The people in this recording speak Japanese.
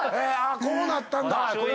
こうなったんだ。